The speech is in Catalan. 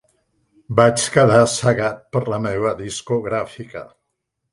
Vaig quedar cegat per la meva discogràfica.